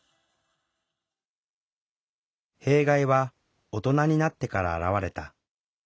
弊害は大人になってから表れた。